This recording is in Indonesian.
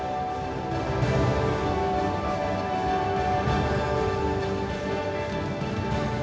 sesaat lagi tetaplah bersama kami